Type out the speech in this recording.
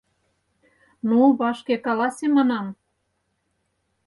Ну, вашке каласе, манам...